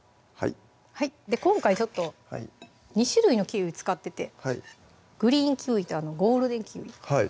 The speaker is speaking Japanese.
今回ちょっと２種類のキウイ使っててグリーンキウイとゴールデンキウイ